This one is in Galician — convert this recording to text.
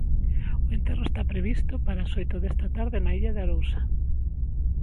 O enterro está previsto para as oito desta tarde na Illa de Arousa.